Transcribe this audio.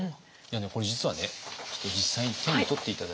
これ実はねちょっと実際に手に取って頂いて。